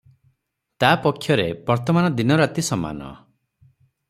ତା’ ପକ୍ଷରେ ବର୍ତ୍ତମାନ ଦିନରାତି ସମାନ।